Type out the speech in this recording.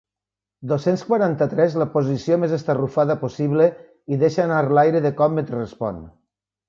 Dos-cents quaranta-tres la posició més estarrufada possible i deixa anar l'aire de cop mentre respon.